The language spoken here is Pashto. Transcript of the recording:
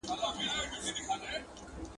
هغه ورځ هم لیري نه ده چي به کیږي حسابونه ,